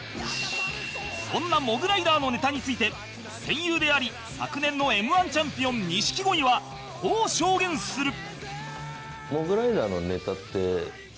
そんなモグライダーのネタについて戦友であり昨年の Ｍ−１ チャンピオン錦鯉はこう証言する